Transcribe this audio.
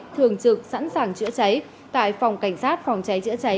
thường trực sẵn sàng chữa cháy tại phòng cảnh sát phòng cháy chữa cháy